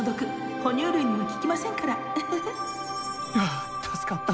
あ助かった。